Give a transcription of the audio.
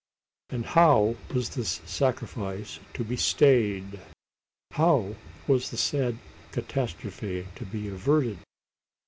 And how was this sacrifice to be stayed? How was the sad catastrophe to be averted?